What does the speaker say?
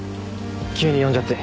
急に呼んじゃって。